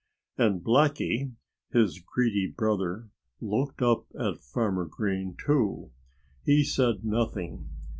And Blackie, his greedy brother, looked up at Farmer Green too. He said nothing.